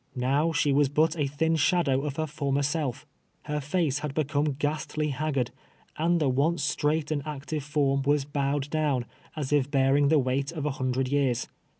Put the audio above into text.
ISTow she was but a thin shadow of her former self. Her face had become ghastly haggard, and the once straight and active form was bowed down, as if bear ing the weight of a huiulred years.